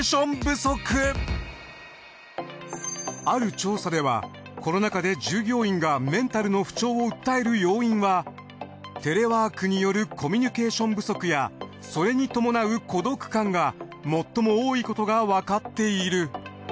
ある調査ではコロナ禍で従業員がメンタルの不調を訴える要因はテレワークによるコミュニケーション不足やそれに伴う孤独感が最も多いことがわかっている。